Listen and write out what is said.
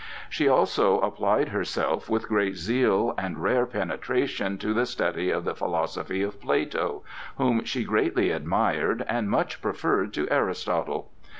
She also applied herself with great zeal and rare penetration to the study of the philosophy of Plato, whom she greatly admired and much preferred to Aristotle.